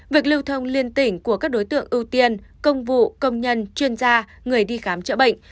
việc lưu thông liên tỉnh của các đối tượng ưu tiên công vụ công nhân chuyên gia người đi khám chữa bệnh